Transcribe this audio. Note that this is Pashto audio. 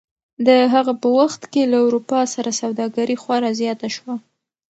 د هغه په وخت کې له اروپا سره سوداګري خورا زیاته شوه.